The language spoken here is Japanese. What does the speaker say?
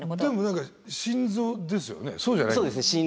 でも何か心臓ですよね？